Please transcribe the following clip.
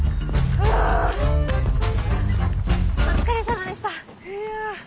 お疲れさまでした！